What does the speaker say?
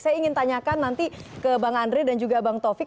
saya ingin tanyakan nanti ke bang andre dan juga bang taufik